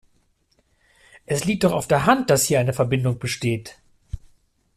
Es liegt doch auf der Hand, dass hier eine Verbindung besteht.